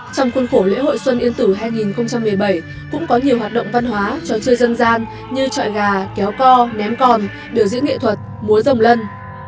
trong khuôn khổ lễ hội xuân yên tử hai nghìn một mươi bảy cũng có nhiều hoạt động văn hóa trò chơi dân gian như trọi gà kéo co ném còn biểu diễn nghệ thuật múa rồng lân